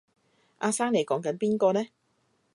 阿生你講緊邊個呢？